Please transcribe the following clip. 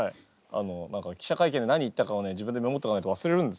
記者会見で何言ったかをね自分でメモっとかないと忘れるんです。